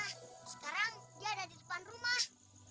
nah sekarang dia ada di depan rumah